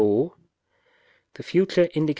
The fut. indic.